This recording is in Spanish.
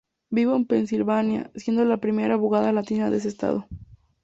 Vivó en Pensilvania, siendo la primera abogada latina de ese estado.